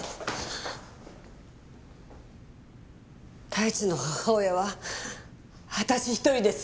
太一の母親は私一人です。